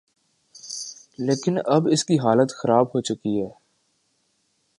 لیکن اب اس کی حالت خراب ہو چکی ہے۔